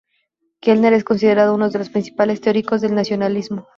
Gellner es considerado uno de los principales teóricos del nacionalismo.